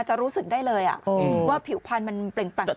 จะรู้สึกได้เลยอ่ะว่าผิวพันธุ์มันเปลี่ยนต่างขึ้น